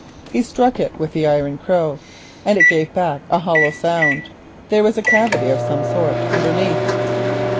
He struck it with the iron crow and it gave back a hollow sound. There was a cavity of some sort underneath.